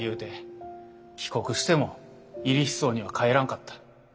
帰国しても入日荘には帰らんかった。